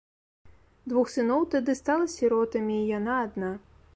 Двух сыноў тады стала сіротамі і яна адна.